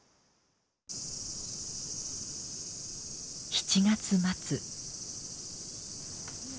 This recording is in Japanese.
７月末。